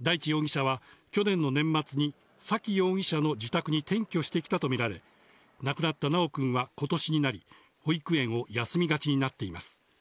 大地容疑者は、去年の年末に沙喜容疑者の自宅に転居してきたと見られ、亡くなった修くんはことしになり、保育園を休みがちになっています。